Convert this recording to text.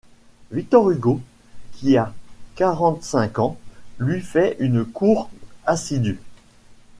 Victor Hugo, qui a quarante-cinq ans lui fait une cour assidue.